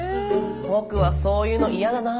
僕はそういうの嫌だなあ。